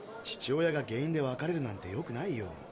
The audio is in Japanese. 父親が原因で別れるなんてよくないよ。